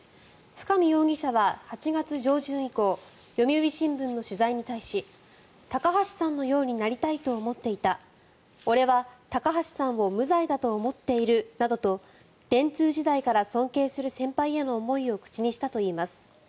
深見容疑者は８月上旬以降読売新聞の取材に対し高橋さんのようになりたいと思っていた俺は高橋さんを無罪だと思っているなどと電通時代から尊敬する先輩への思いを口にしたといいます。